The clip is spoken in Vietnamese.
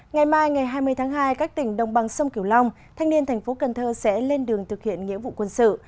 ngày mai ngày hai mươi tháng hai các tỉnh đồng bằng sông kiều long thanh niên thành phố cần thơ sẽ lên đường thực hiện nghĩa vụ quân sự